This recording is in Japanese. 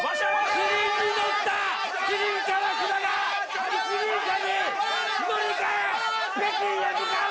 キリンに乗った麒麟・川島が一輪車に乗り換え、北京へ向かう。